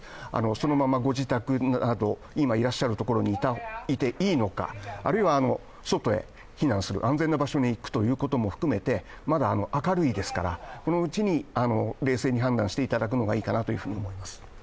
そのままご自宅など、今いらっしゃる場所にいていいのかあるいは、外へ避難する、安全な場所に行くということも含めて、まだ明るいですから、このうちに冷静に判断していただくのがいいと思います。